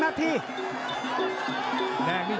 ตอนนี้มันถึง๓